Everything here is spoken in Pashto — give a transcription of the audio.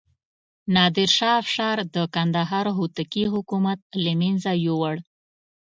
نادر شاه افشار د کندهار هوتکي حکومت له منځه یووړ.